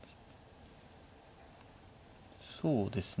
そうですね。